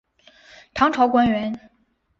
唐朝官员。